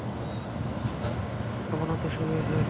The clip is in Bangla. আপনার তো সবই আছে এখন।